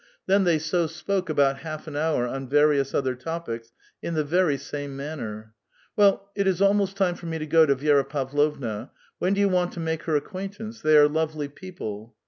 Then they so spoke about half an hour on various other topics in the ver}* same manner. '* Well, it is almost time for me to go to Vi^ra Pavlovna. When do you want to make her acquaintance ? They are lovely people."